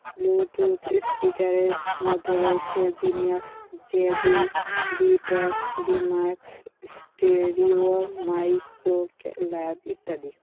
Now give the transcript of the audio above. Bluetooth স্পিকারের মধ্যে রয়েছে Genius, JBL, Beats, Remax, stereo, Microlab ইত্যাদি।